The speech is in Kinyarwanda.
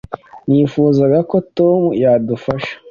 nifuzaga ko tom yadufasha